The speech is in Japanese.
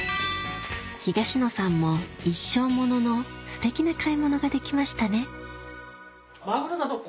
東野さんも一生物のステキな買い物ができましたね